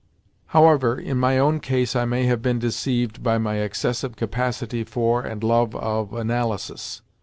However, in my own case I may have been deceived by my excessive capacity for, and love of, analysis.